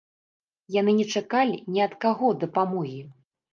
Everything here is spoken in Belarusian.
Яны не чакалі ні ад каго дапамогі!